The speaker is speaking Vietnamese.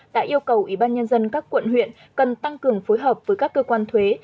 đã yêu cầu ủy ban nhân dân các quận huyện cần tăng cường phối hợp với các cơ quan thuế